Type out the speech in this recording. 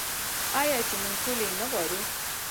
آیا چې موږ ټول یې نه غواړو؟